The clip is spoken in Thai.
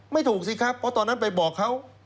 ไม่ถูกสิครับเพราะตอนนั้นไปบอกเขา